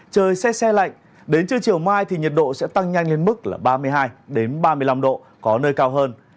trời xe xe lạnh đến trưa chiều mai thì nhiệt độ sẽ tăng nhanh lên mức là ba mươi hai ba mươi năm độ có nơi cao hơn